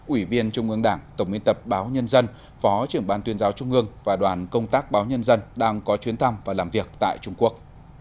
ủy viên trung ương đảng tổng biên tập báo nhân dân phó trưởng ban tuyên giáo trung ương và đoàn công tác báo nhân dân đang có chuyến thăm và làm việc tại trung quốc